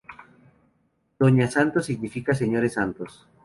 Doña Santos significa Señores Santos.